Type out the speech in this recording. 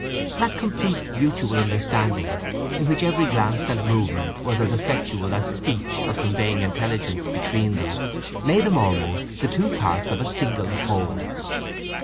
That complete mutual understanding, in which every glance and movement was as effectual as speech for conveying intelligence between them, made them almost the two parts of a single whole.